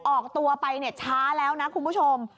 ออกตัวไปช้าแล้วนะคุณผู้ชม